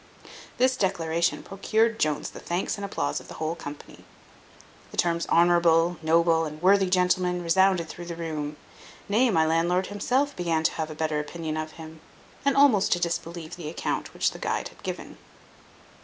This declaration procured Jones the thanks and applause of the whole company. The terms honourable, noble, and worthy gentleman, resounded through the room; nay, my landlord himself began to have a better opinion of him, and almost to disbelieve the account which the guide had given.